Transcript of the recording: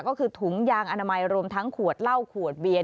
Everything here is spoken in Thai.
ก็คือถุงยางอนามัยรวมทั้งขวดเหล้าขวดเบียน